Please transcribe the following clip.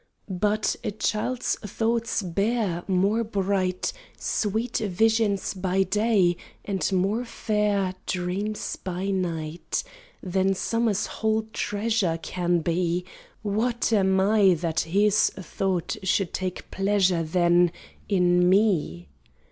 But a child's thoughts bear More bright Sweet visions by day, and more fair Dreams by night, Than summer's whole treasure Can be: What am I that his thought should take pleasure, Then, in me?